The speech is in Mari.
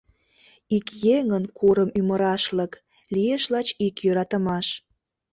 Ик еҥын курым-ӱмырашлык — Лиеш лач ик йӧратымаш.